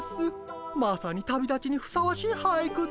まさに旅立ちにふさわしい俳句です。